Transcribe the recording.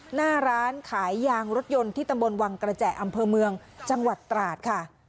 หน้าร้านขายยางรถยนต์ที่ตำบลวังกระแจอำเภอเมืองจังหวัดตราดค่ะ